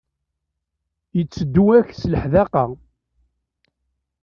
Yetteddu-ak s leḥdaqa?